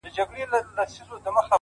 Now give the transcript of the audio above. څنگه بيلتون كي گراني شعر وليكم،